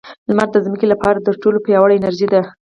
• لمر د ځمکې لپاره تر ټولو پیاوړې انرژي ده.